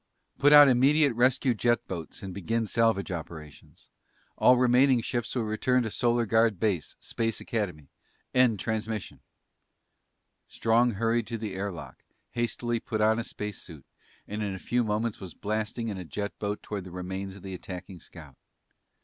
Put out immediate rescue jet boats and begin salvage operations. All remaining ships will return to Solar Guard base, Space Academy. End transmission!" Strong hurried to the air lock, hastily put on a space suit, and in a few moments was blasting in a jet boat toward the remains of the attacking scout.